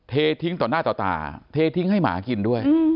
เททิ้งต่อหน้าต่อตาเททิ้งให้หมากินด้วย